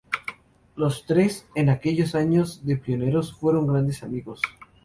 Los tres, en aquellos años de pioneros, fueron grandes amigos.